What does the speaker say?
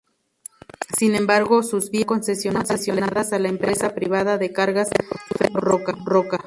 Sin embargo sus vías están concesionadas a la empresa privada de cargas Ferrosur Roca.